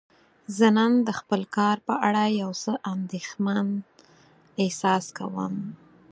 زه نن د خپل کار په اړه یو څه اندیښمن احساس کوم.